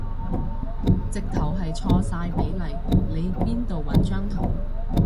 直頭係錯晒比例，你邊度搵張圖